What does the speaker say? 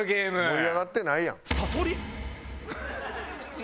盛り上がってないやん。